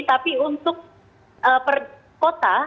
tapi untuk per kota